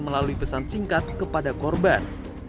melalui pesan singkat kepada korban